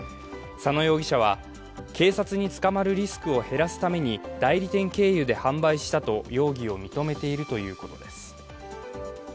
佐野容疑者は、警察に捕まるリスクを減らすために代理店経由で販売したと容疑を認めているということです。